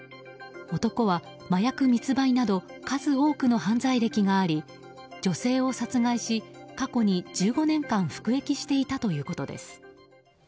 男は麻薬密売など数多くの犯罪歴があり女性を殺害し過去に１５年間服役していたということです。